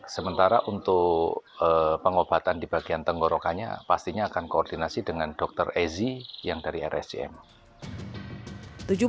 sementara untuk pengobatan di bagian tenggorokannya pastinya akan koordinasi dengan dokter ezi yang dari rsjm